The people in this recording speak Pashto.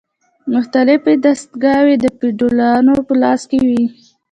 مختلفې دستګاوې د فیوډالانو په لاس کې وې.